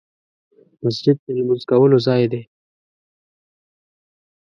مسجد د لمونځ کولو ځای دی .